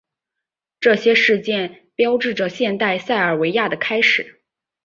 这些事件标志着现代塞尔维亚的开始。